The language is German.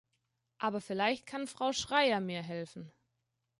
Aber vielleicht kann Frau Schreyer mir helfen.